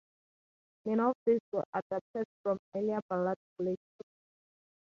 Many of these were adapted from earlier ballad collections.